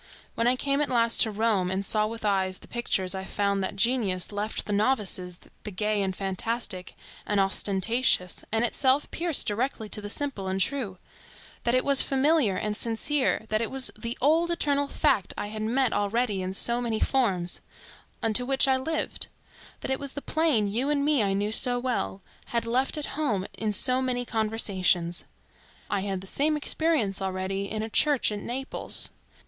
When I came at last to Rome and saw with eyes the pictures, I found that genius left to novices the gay and fantastic and ostentatious, and itself pierced directly to the simple and true; that it was familiar and sincere; that it was the old, eternal fact I had met already in so many forms,—unto which I lived; that it was the plain you and me I knew so well,—had left at home in so many conversations. I had the same experience already in a church at Naples.